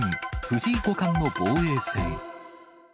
藤井五冠の防衛戦。